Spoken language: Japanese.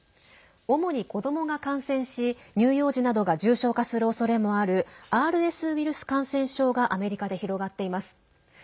主に子どもが感染し乳幼児などが重症化するおそれもあるＲＳウイルス感染症がアメリカで広がっています。